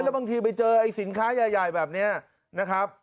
แล้วบางทีไปเจอไอ้สินค้าใหญ่แบบนี้นะครับ